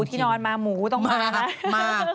ที่นอนมาหมูต้องมามา